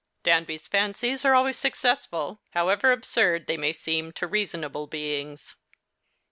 Danby 's fancies are always successful, however absurd they may seem to reasonable beings.